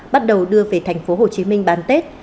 bắt đầu đưa về tp hcm bán tết